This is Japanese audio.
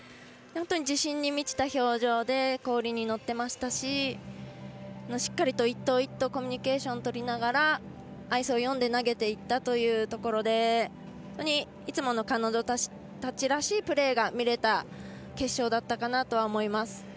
本当に自信に満ちた表情で氷に乗っていましたししっかり１投１投コミュニケーション取りながらアイスを読んで投げていったというところでいつもの彼女たちらしいプレーが見れた決勝だったかなとは思います。